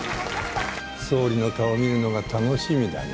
総理の顔見るのが楽しみだな。